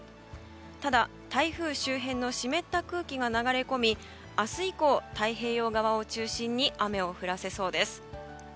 ただ、台風周辺の湿った空気が流れ込み明日以降、太平洋側を中心に雨を降らせそうです。